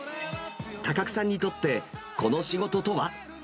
高久さんにとって、この仕事とは？